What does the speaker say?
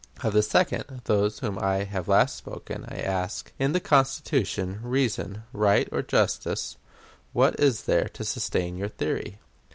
Of the second, those of whom I have last spoken, I ask, in the Constitution, reason, right, or justice, what is there to sustain your theory?